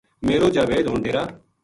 میرو جاوید ہن ڈیرا